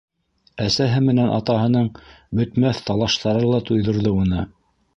Әсәһе менән атаһының бөтмәҫ талаштары ла туйҙырҙы уны.